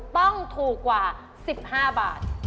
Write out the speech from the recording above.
ต้องถูกกว่า๑๕บาท